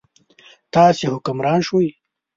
تاسې حکمران شوئ.